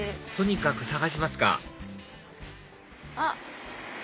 とにかく探しますかあっ